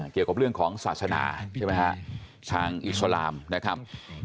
เกี่ยวกับเรื่องของศาสนาใช่ไหมฮะทางอิสลามนะครับ